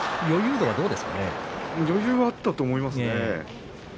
余裕はあったと思いますね。